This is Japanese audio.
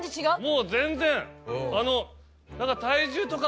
もう全然。